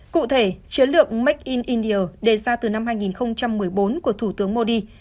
cụ thể chiến lược make india đề ra từ năm hai nghìn một mươi bốn của thủ tướng modi